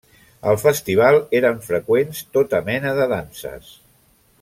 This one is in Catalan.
Al festival eren freqüents tota mena de danses.